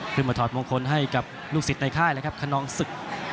ถอดมงคลให้กับลูกศิษย์ในค่ายเลยครับคนนองศึก